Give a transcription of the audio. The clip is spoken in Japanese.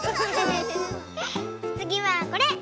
つぎはこれ！